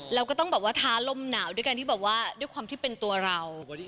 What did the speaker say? เราก็ต้องแบบว่าท้าลมหนาวด้วยความที่เป็นตัวเรา